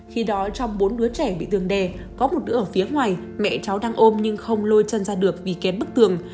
khi đó trong bốn đứa trẻ bị tường đề có một đứa ở phía ngoài mẹ cháu đang ôm nhưng không lôi chân ra được vì kém bức tường